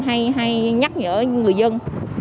hay nhắc nhở người dân